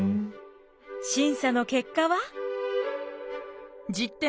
審査の結果は。